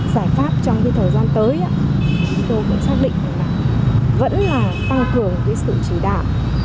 tại pháp trong thời gian tới tôi cũng xác định là vẫn là tăng cường sự chỉ đạo